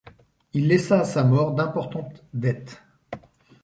Il laissa à sa mort d'importantes dettes.